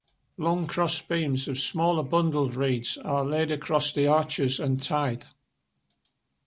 Long cross beams of smaller bundled reeds are laid across the arches and tied.